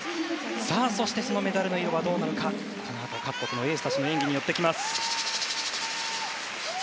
さあ、そしてそのメダルの色はどうなるのか、このあとの各国のエースたちの演技によってきます。